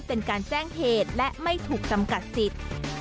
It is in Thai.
เป็นการแจ้งเหตุและไม่ถูกจำกัดสิทธิ์